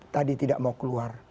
tadi tidak mau keluar